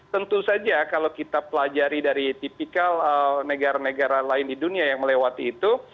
tentu saja kalau kita pelajari dari tipikal negara negara lain di dunia yang melewati itu